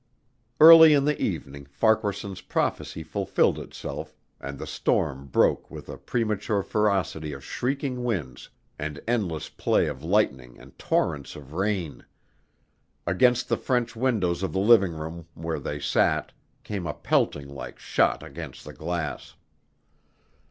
Early in the evening Farquaharson's prophecy fulfilled itself and the storm broke with a premature ferocity of shrieking winds, and endless play of lightning and torrents of rain. Against the French windows of the living room, where they sat, came a pelting like shot against the glass.